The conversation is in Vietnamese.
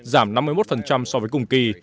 giảm năm mươi một so với cùng kỳ